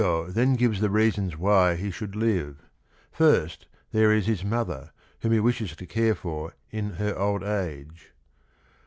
Guido then gives the reasons why he should live. First, there is his mother whom he wishes to care for in her old age.